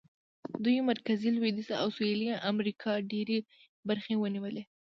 دوی مرکزي، لوېدیځه او سوېلي امریکا ډېرې برخې ونیولې.